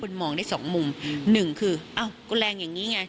คุณมองได้สองมุมหนึ่งคืออ้าวก็แรงอย่างนี้ไง